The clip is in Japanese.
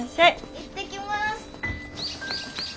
行ってきます。